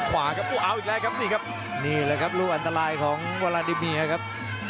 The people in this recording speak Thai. อีกแล้วครับนี่ครับนี่แหละครับรูปอันตรายของวาลานดิมีย์ครับ